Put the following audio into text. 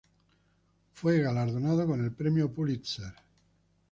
Fue galardonado con el Premio Pulitzer.